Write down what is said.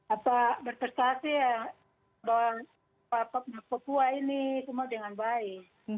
apa berprestasi ya bahwa papua ini semua dengan baik